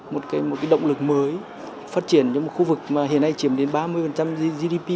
một động lực mới phát triển cho một khu vực mà hiện nay chiếm đến ba mươi gdp